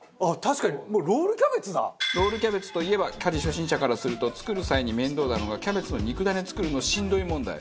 ロールキャベツといえば家事初心者からすると作る際に面倒なのがキャベツの肉ダネ作るのしんどい問題。